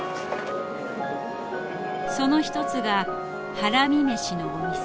その一つがハラミメシのお店。